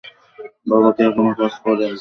বাবা কি এখনো কাজ করেন?